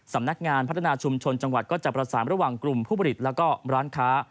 สำนักงานพัฒนาชุมชนจังหวัดก็จะประสานระหว่างกลุ่มผู้ผลิตแล้วก็ร้านค้า